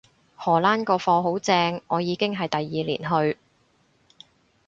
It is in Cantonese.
荷蘭個課好正，我已經係第二年去